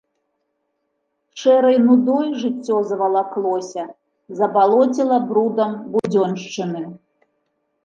Шэрай нудой жыццё завалаклося, забалоціла брудам будзёншчыны.